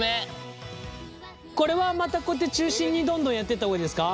これはまたこうやって中心にどんどんやってった方がいいですか？